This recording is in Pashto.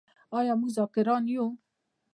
آیا موږ ذاکران یو؟